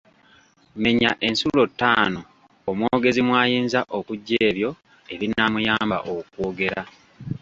Menya ensulo ttaano omwogezi mw’ayinza okuggya ebyo ebinaamuyamba okwogera.